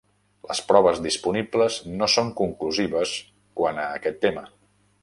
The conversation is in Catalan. Les proves disponibles no són conclusives quant a aquest tema.